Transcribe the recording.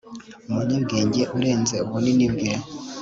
Umunyabwenge urenze ubunini bwe